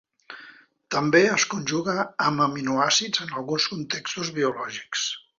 També es conjuga amb aminoàcids en alguns contextos biològics.